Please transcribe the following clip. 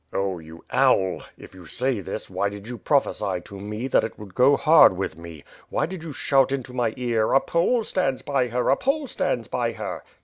'' "Oh, you owl! If you say this, why did you prophecy to me that it would go hard with me? Why did you shout into my ear ^a Pole stands bv her! a Pole stands by her?'